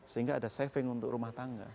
sehingga ada saving untuk rumah tangga